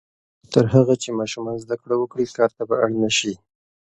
تر هغه چې ماشومان زده کړه وکړي، کار ته به اړ نه شي.